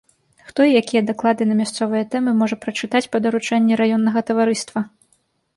Хто і якія даклады на мясцовыя тэмы можа прачытаць па даручэнні раённага таварыства?